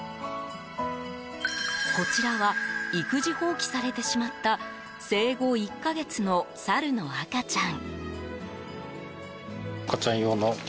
こちらは育児放棄されてしまった生後１か月のサルの赤ちゃん。